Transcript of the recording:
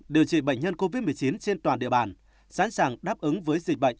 điều trị bệnh nhân covid một mươi chín trên toàn địa bàn sẵn sàng đáp ứng với dịch bệnh